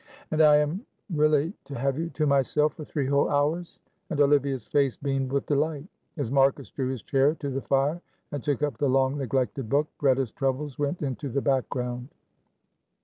"And I am really to have you to myself for three whole hours," and Olivia's face beamed with delight. As Marcus drew his chair to the fire and took up the long neglected book, Greta's troubles went into the background.